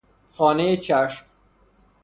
خانۀ چشم